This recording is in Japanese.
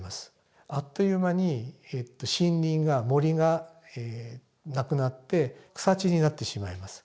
あっという間に森林が森がなくなって草地になってしまいます。